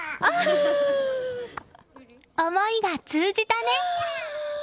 思いが通じたね。